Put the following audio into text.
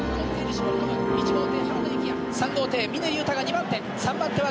３号艇峰竜太が２番手。